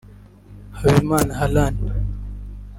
Habimana Harna